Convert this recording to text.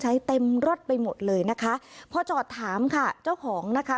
เต็มรถไปหมดเลยนะคะพอจอดถามค่ะเจ้าของนะคะ